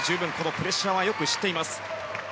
プレッシャーはよく知っています。